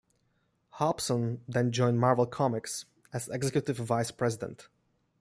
Hobson then joined Marvel Comics as executive vice president.